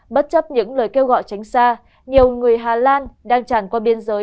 bất chấp những lời kêu gọi tránh xa nhiều người hà lan đang tràn qua biên giới